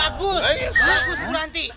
bagus bu ranti